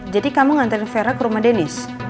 jadi kamu nganterin vera ke rumah dennis